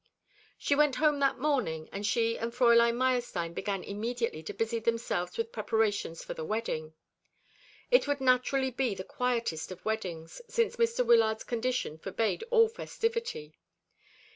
She went home that morning, and she and Fräulein Meyerstein began immediately to busy themselves with preparations for the wedding. It would naturally be the quietest of weddings, since Mr. Wyllard's condition forbade all festivity.